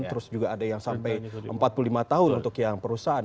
terus juga ada yang sampai empat puluh lima tahun untuk yang perusahaan